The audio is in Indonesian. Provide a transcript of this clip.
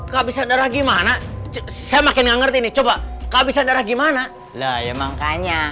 kehabisan darah gimana saya makin nggak ngerti nih coba kehabisan darah gimana lah ya makanya